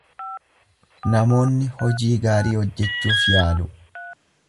Namoonni hojii gaarii hojjechuuf yaalu.